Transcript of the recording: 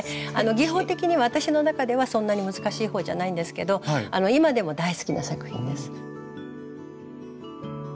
技法的には私の中ではそんなに難しいほうじゃないんですけど今でも大好きな作品です。